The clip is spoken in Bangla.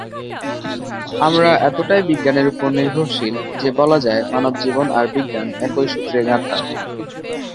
আমরা এতটাই বিজ্ঞানের উপর নির্ভরশীল যে বলা যায় মানবজীবন আর বিজ্ঞান একই সূত্রে গাঁথা।